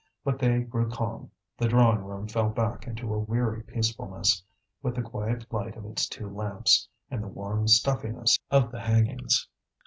But they grew calm; the drawing room fell back into a weary peacefulness, with the quiet light of its two lamps, and the warm stuffiness of the hangings.